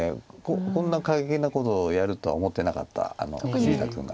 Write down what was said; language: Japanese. こんな過激なことをやるとは思ってなかった富士田君が。